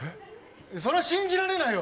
そりゃ信じられないよ